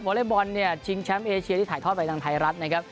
อเล็กบอลเนี่ยชิงแชมป์เอเชียที่ถ่ายทอดไปทางไทยรัฐนะครับ